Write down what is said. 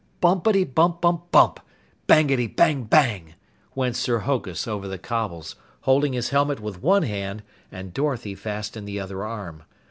Bumpety bump bump bump! Bangety bang bang! went Sir Hokus over the cobbles, holding his helmet with one hand and Dorothy fast in the other arm.